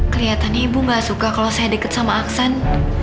keliatannya ibu nggak suka kalau saya deket sama aksan